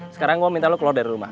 sekarang gue minta lo keluar dari rumah